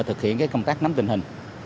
thực hiện công tác nắm tình hình